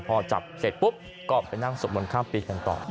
พอจับเสร็จปุ๊บก็ไปนั่งสวดมนต์ข้ามปีกันต่อ